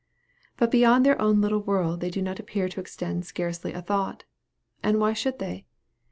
But beyond their own little world they do not appear to extend scarcely a thought. And why should they?